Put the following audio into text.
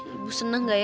ibu seneng gak ya